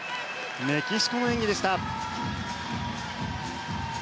メキシコの演技でした。